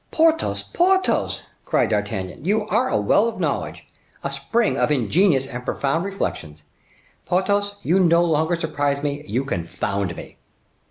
"Porthos, Porthos," cried D'Artagnan, "you are a well of knowledge, a spring of ingenious and profound reflections. Porthos, you no longer surprise me, you confound me."